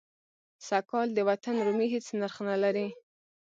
سږ کال د وطن رومي هېڅ نرخ نه لري.